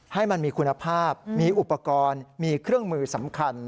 ให้มันมีคุณภาพมีอุปกรณ์มีเครื่องมือสำคัญ